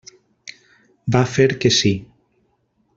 Va fer que sí.